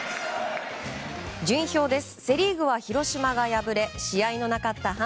順位表です。